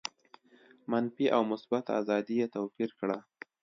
منفي او مثبته آزادي یې توپیر کړه.